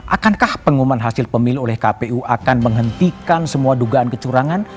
akankah pengumuman hasil pemilu oleh kpu akan menghentikan semua dugaan kecurangan